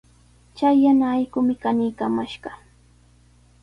Chay yana allqumi kaniskamashqa.